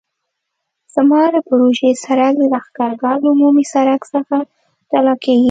زما د پروژې سرک د لښکرګاه له عمومي سرک څخه جلا کیږي